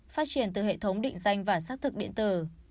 phát triển từ hệ thống định danh và xác thực điện tử